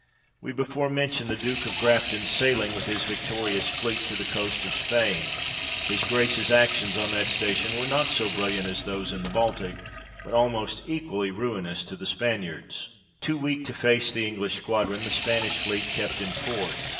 We before mentioned the Duke of Grafton's sailing with his victorious fleet to the coast of Spain ; his Grace's actions on that station were not so brilliant as those in the Baltic, but almost equally ruinous to the Spaniards. GRAFTON ON THE COAST OF SPAIN. 85 Too weak to face the English squadron, the Spanish fleet kept in port.